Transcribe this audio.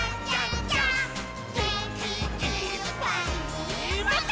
「げんきいっぱいもっと」